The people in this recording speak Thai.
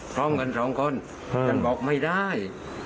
พร้อมกัน๒คนแต่บอกไม่ได้